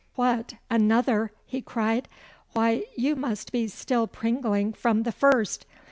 'What, another!' he cried. 'Why, you must be still pringling from the first.